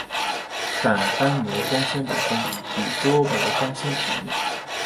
但单模光纤本身比多模光纤便宜。